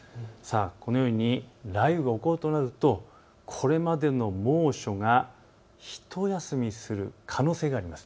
このように雷雨が起こるとなるとこれまでの猛暑がひと休みする可能性があります。